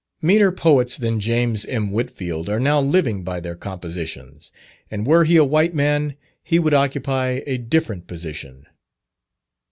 Meaner poets than James M. Whitfield, are now living by their compositions; and were he a white man he would occupy a different position.